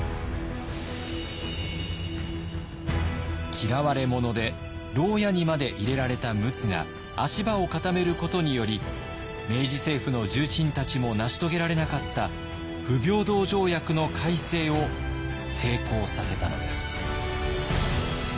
嫌われ者でろう屋にまで入れられた陸奥が足場を固めることにより明治政府の重鎮たちも成し遂げられなかった不平等条約の改正を成功させたのです。